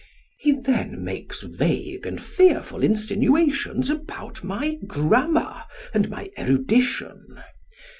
He then makes vague and fearful insinuations about my grammar and my erudition.